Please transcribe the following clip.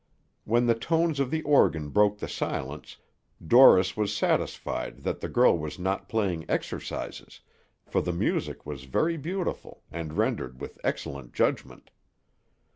When the tones of the organ broke the silence, Dorris was satisfied that the girl was not playing exercises, for the music was very beautiful, and rendered with excellent judgment.